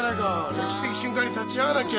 歴史的瞬間に立ち会わなきゃ。